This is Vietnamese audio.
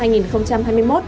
của bộ công ty